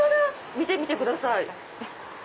見てみてください。